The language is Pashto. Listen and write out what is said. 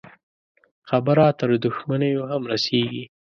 خبره تر دښمنيو هم رسېږي.